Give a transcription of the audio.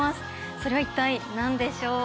それは一体何でしょう？